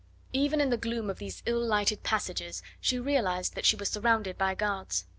Even in the gloom of these ill lighted passages she realised that she was surrounded by guards.